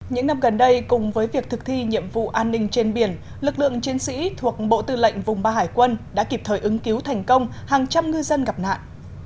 những năm gần đây cùng với việc thực thi nhiệm vụ an ninh trên biển lực lượng chiến sĩ thuộc bộ tư lệnh vùng ba hải quân đã kịp thời ứng cứu thành công hàng trăm ngư dân gặp nạn